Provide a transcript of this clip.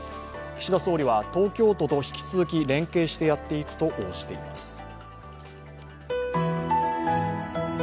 岸田総理は東京都と引き続き連携してやっていくと報じています。